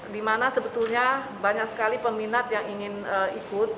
dimana sebetulnya banyak sekali peminat yang ingin ikut